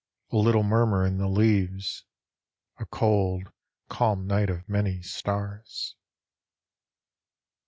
A little murmur in the leaves A cold, calm night of many stars.